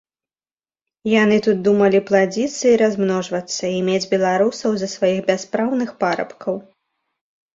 Яны тут думалі пладзіцца і размножвацца і мець беларусаў за сваіх бяспраўных парабкаў.